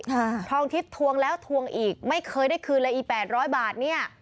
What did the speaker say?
ทองทิพย์ทวงแล้วทวงอีกไม่เคยได้คืนเลยอีแปดร้อยบาทเนี้ย